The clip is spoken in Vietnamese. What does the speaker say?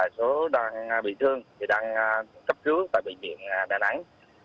số đang bị thương khi đang cấp cứu tại bệnh viện đà nẵng